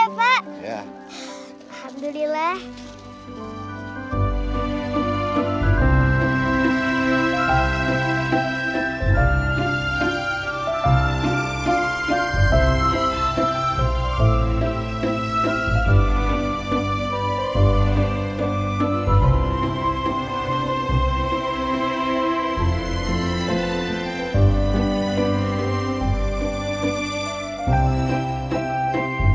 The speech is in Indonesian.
makasih ya pak